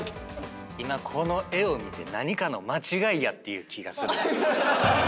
今この絵を見て何かの間違いやっていう気がする。